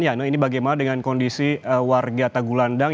yano ini bagaimana dengan kondisi warga tagulandang